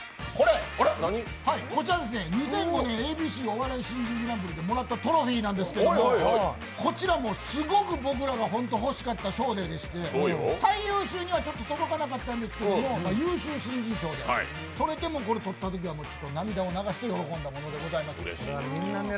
こちらは２００５年「ＡＢＣお笑い新人グランプリ」でもらったトロフィーなんですけれども、こちらすごく僕らが欲しかった賞でして、最優秀には届かなかったんですけど優秀新人賞で、それでもこれを取ったときには涙を流して喜んだものでございます。